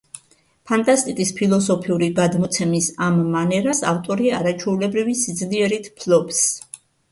ფანტასტიკის ფილოსოფიური გადმოცემის ამ მანერას ავტორი არაჩვეულებრივი სიძლიერით ფლობს.